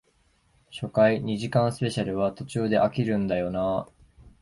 初回二時間スペシャルは途中で飽きるんだよなあ